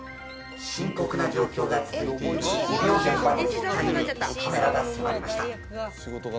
深刻な状況が続いている医療現場の実態にカメラが迫りました。